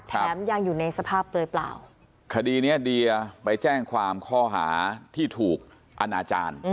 ยังอยู่ในสภาพเปลือยเปล่าคดีนี้เดียไปแจ้งความข้อหาที่ถูกอนาจารย์